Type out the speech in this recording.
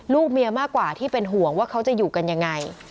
ลูกเมียมากกว่าที่เป็นห่วงว่าเขาจะอยู่กันยังไง